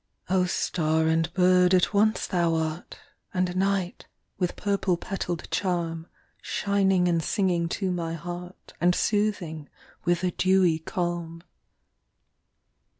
in O star and bird at once thou art, And Night, with purple petall'd charm, Shining and singing to my heart, And soothing with a dewy calm.